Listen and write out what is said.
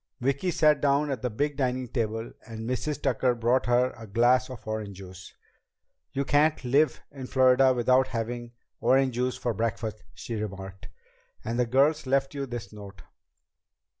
Vicki sat down at the big dining table and Mrs. Tucker brought her a glass of orange juice. "You can't live in Florida without having orange juice for breakfast," she remarked. "And the girls left you this note."